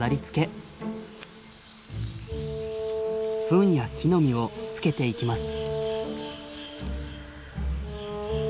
フンや木の実をつけていきます。